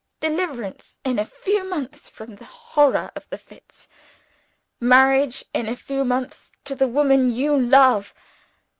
Deliverance in a few months from the horror of the fits; marriage in a few months to the woman you love.